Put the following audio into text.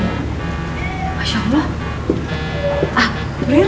masya allah april